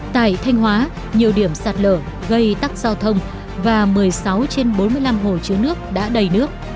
tại thanh hóa nhiều điểm sạt lở gây tắc giao thông và một mươi sáu trên bốn mươi năm hồ chứa nước đã đầy nước